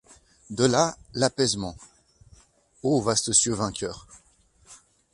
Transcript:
De là l'apaisement. O vastes cieux vainqueurs !